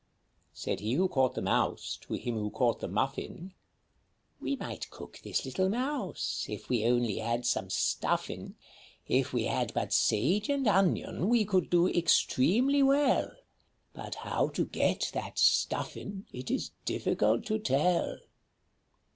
" Said he who caught the Mouse to him who caught the Muffin, â " We might cook this little Mouse, if we only had some Stuffin' ! If we had but Sage and Onion we could do extremely well ; But how to get that Stuffin' it is difficult to tell